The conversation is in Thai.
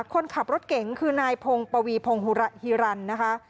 คนขับรถเก๋งคือนายพงปวีพงฮิรันนะคะ